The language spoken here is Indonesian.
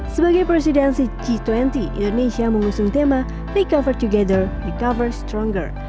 sebagai presidensi g dua puluh indonesia mengusung tema recover together recover stronger